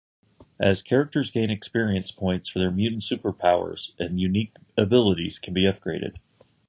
As characters gain experience points their mutant superpowers and unique abilities can be upgraded.